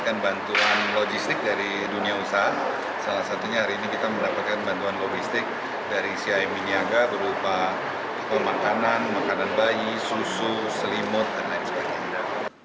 kita akan bantuan logistik dari dunia usaha salah satunya hari ini kita mendapatkan bantuan logistik dari cip niaga berupa toko makanan makanan bayi susu selimut dan lain sebagainya